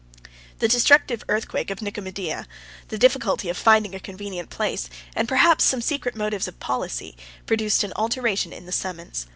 The destructive earthquake of Nicomedia, the difficulty of finding a convenient place, and perhaps some secret motives of policy, produced an alteration in the summons.